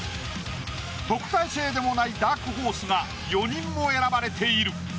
特待生でもないダークホースが４人も選ばれている。